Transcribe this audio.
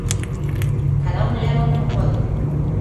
Cada un lévao como pode.